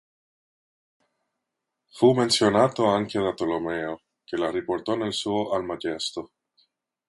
Fu menzionata anche da Tolomeo, che la riportò nel suo "Almagesto".